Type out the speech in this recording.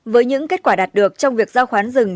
với những kết quả đạt được trong việc giao khoán rừng